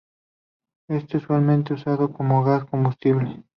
Este usualmente usado como gas combustible.